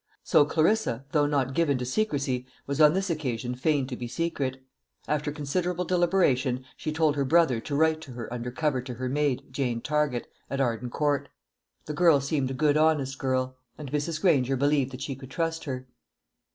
So Clarissa, though not given to secrecy, was on this occasion fain to be secret. After considerable deliberation, she told her brother to write to her under cover to her maid, Jane Target, at Arden Court. The girl seemed a good honest girl, and Mrs. Granger believed that she could trust her.